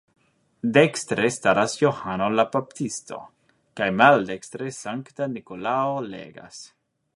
Dekstre staras Johano la Baptisto, kaj maldekstre Sankta Nikolao legas.